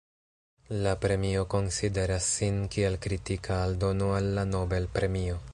La premio konsideras sin kiel kritika aldono al la Nobel-premio.